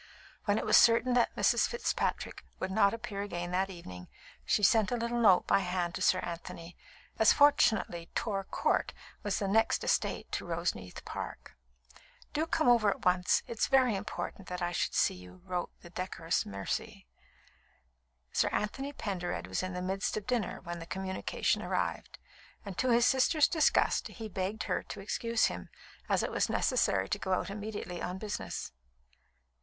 When it was certain that Mrs. Fitzpatrick would not appear again that evening, she sent a little note by hand to Sir Anthony, as fortunately Torr Count was the next estate to Roseneath Park. "Do come over at once. It is very important that I should see you," wrote the decorous Mercy. Sir Anthony Pendered was in the midst of dinner when the communication arrived, and to his sister's disgust he begged her to excuse him, as it was necessary to go out immediately on business.